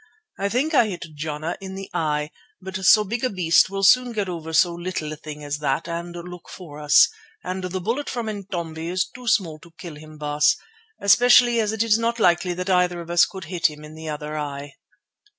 I think I hit Jana in the eye, but so big a beast will soon get over so little a thing as that and look for us, and the bullet from Intombi is too small to kill him, Baas, especially as it is not likely that either of us could hit him in the other eye."